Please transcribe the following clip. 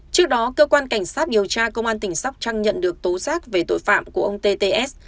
trước đó cơ quan cảnh sát điều tra công an tỉnh sóc trăng nhận được tố giác về tội phạm của ông tts